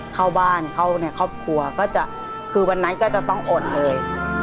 เข้าบ้านเข้าในครอบครัวก็จะคือวันนั้นก็จะต้องอดเลย